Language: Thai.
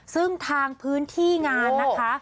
ซึ่งทางพื้นที่งานนะคะ